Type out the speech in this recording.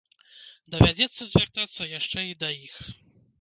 Давядзецца звяртацца яшчэ і да іх.